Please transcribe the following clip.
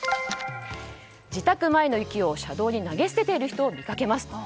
自宅前の雪を車道に投げ捨てている人を見かけます。